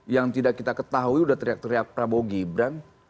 yang tidak kita ketahui sudah teriak teriak prabowo gibran